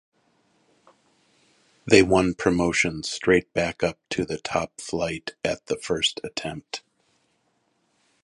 They won promotion straight back up to the top flight at the first attempt.